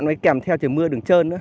nó kèm theo chiều mưa đường trơn